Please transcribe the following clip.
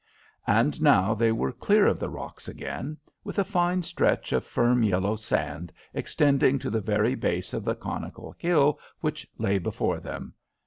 And now they were clear of the rocks again, with a fine stretch of firm yellow sand extending to the very base of the conical hill which lay before them.